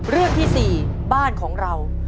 เรื่องที่๔บ้านของเรา